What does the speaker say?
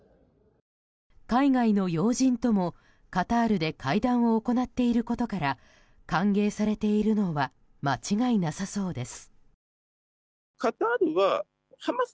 海外の要人ともカタールで会談を行っていることから歓迎されているのは間違いなさそうです。